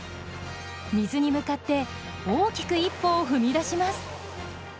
水に向かって大きく一歩を踏み出します。